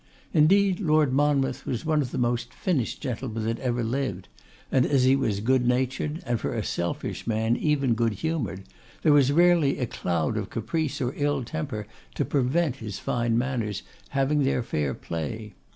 Indeed, Lord Monmouth was one of the most finished gentlemen that ever lived; and as he was good natured, and for a selfish man even good humoured, there was rarely a cloud of caprice or ill temper to prevent his fine manners having their fair play.